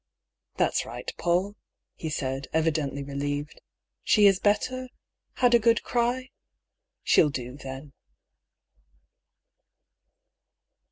"That's right, Paull," he said, evidently relieved. "She is better? Had a good cry? She'll do, then.